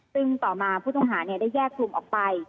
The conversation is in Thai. ซึ่งต่อมาผู้ต้องหาได้แยกกลุ่มออกไป